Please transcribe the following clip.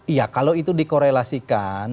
iya kalau itu dikorelasikan